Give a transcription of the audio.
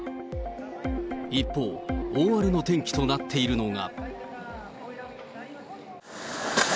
一方、大荒れの天気となっているのが。